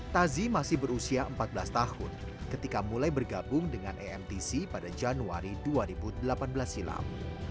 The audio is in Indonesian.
tazi masih berusia empat belas tahun ketika mulai bergabung dengan emtc pada januari dua ribu delapan belas silam